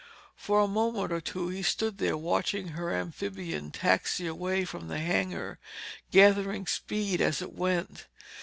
For a moment or two he stood there watching her amphibian taxi away from the hangar, gathering speed as it went.